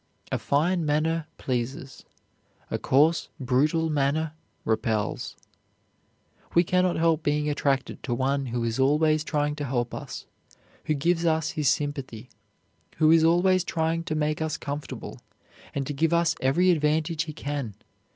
A fine manner pleases; a coarse, brutal manner repels. We cannot help being attracted to one who is always trying to help us, who gives us his sympathy, who is always trying to make us comfortable and to give us every advantage he can.